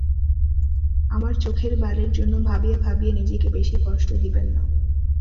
আমার চোখের বালির জন্য ভাবিয়া ভাবিয়া নিজেকে বেশি কষ্ট দিবেন না।